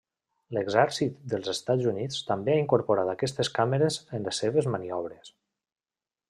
L'exèrcit dels Estats Units també ha incorporat aquestes càmeres en les seves maniobres.